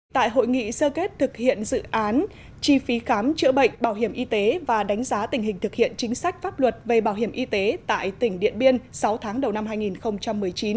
tại hội nghị sơ kết thực hiện dự án chi phí khám chữa bệnh bảo hiểm y tế và đánh giá tình hình thực hiện chính sách pháp luật về bảo hiểm y tế tại tỉnh điện biên sáu tháng đầu năm hai nghìn một mươi chín